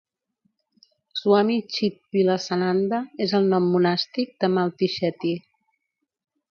Swami Chidvilasananda és el nom monàstic de Malti Shetty.